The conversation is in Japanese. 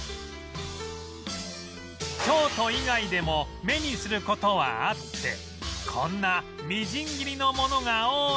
京都以外でも目にする事はあってこんなみじん切りのものが多いそう